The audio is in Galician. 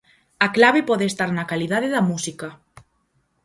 A clave pode estar na calidade da música.